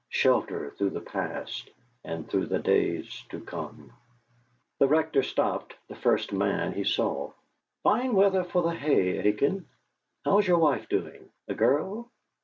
Shelter through the past and through the days to come! The Rector stopped the first man he saw. "Fine weather for the hay, Aiken! How's your wife doing a girl?